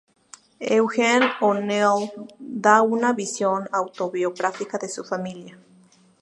Eugene O'Neill da una visión autobiográfica de su familia.